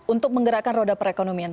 untuk menggerakkan roda perekonomian